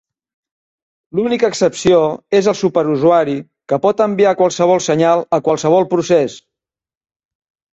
L'única excepció és el superusuari que pot enviar qualsevol senyal a qualsevol procés.